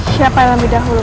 siapa yang lebih dahulu